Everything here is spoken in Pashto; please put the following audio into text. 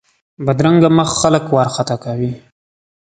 بدرنګه مخ خلک وارخطا کوي